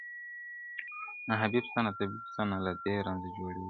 • نه حبیب سته نه طبیب سته نه له دې رنځه جوړیږو -